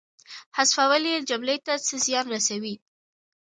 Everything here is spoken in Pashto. حذفول یې جملې ته څه زیان نه رسوي.